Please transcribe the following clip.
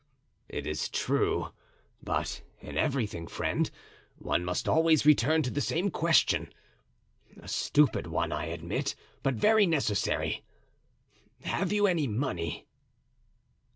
"It is true; but in everything, friend, one must always return to the same question—a stupid one, I admit, but very necessary—have you any money?"